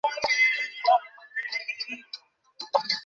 Well, আমি চেষ্টা করছি কিছু সাহায্য এর জন্য - দেখা হয়ে ভাল লাগল।